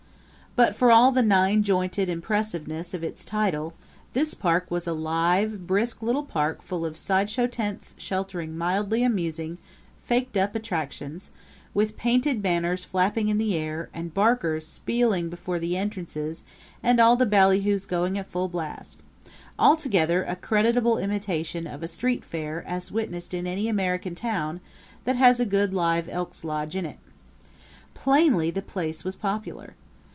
But for all the nine jointed impressiveness of its title this park was a live, brisk little park full of sideshow tents sheltering mildly amusing, faked up attractions, with painted banners flapping in the air and barkers spieling before the entrances and all the ballyhoos going at full blast altogether a creditable imitation of a street fair as witnessed in any American town that has a good live Elks' Lodge in it. Plainly the place was popular.